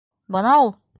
Бына ул!